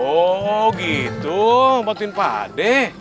oh gitu buatin pak ade